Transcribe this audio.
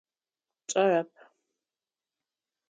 Кӏэрэп.